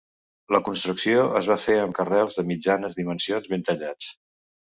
La construcció es va fer amb carreus de mitjanes dimensions ben tallats.